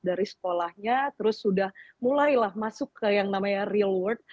dari sekolahnya terus sudah mulailah masuk ke yang namanya real world